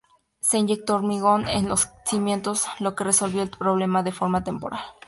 Se inyectó hormigón en los cimientos, lo que resolvió el problema de forma temporal.